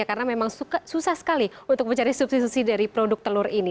karena memang susah sekali untuk mencari substitusi dari produk telur ini